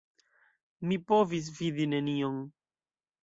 Mi povis vidi nenion.